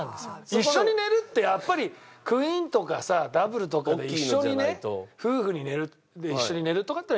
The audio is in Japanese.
一緒に寝るってやっぱりクイーンとかさダブルとかで一緒にね夫婦で一緒に寝るとかっていうのは一緒じゃない。